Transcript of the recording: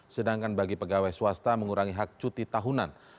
sedangkan bagi pegawai swasta mengurangi hak cuti tahunan